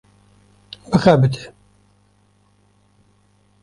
bixebite